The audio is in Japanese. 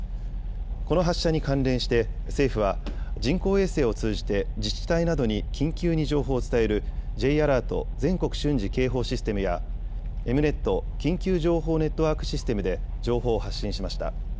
この発射に関連して、政府は、人工衛星を通じて自治体などに緊急に情報を伝えるＪアラート・全国瞬時警報システムや、Ｅｍ−Ｎｅｔ・緊急情報ネットワークシステムで情報を発信しました。